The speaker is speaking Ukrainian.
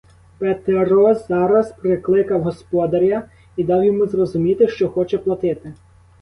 Петро зараз прикликав господаря і дав йому зрозуміти, що хоче платити.